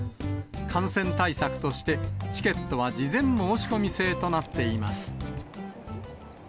感染対策として、チケットは事前申し込み制となっています。